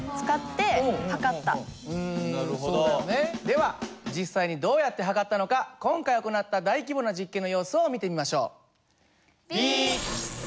では実際にどうやって量ったのか今回行った大規模な実験の様子を見てみましょう。